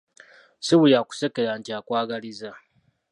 Si buli akusekera nti akwagaliza.